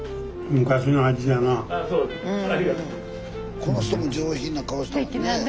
この人も上品な顔しとるねえ。